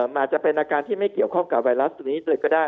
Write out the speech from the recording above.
อาจจะเป็นอาการที่ไม่เกี่ยวข้องกับไวรัสตัวนี้เลยก็ได้